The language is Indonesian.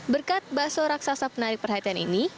berkat bakso raksasa penarik perhatian ini